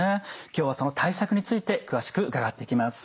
今日はその対策について詳しく伺っていきます。